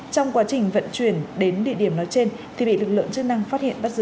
trong quá trình vận chuyển đến địa điểm nói trên thì bị lực lượng chức năng phát hiện bắt giữ